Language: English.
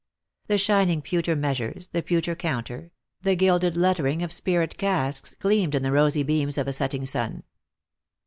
The shining pewter measures, the pewter counter, the gilded lettering of spirit casks, gleamed in the rosy beams of a setting sun.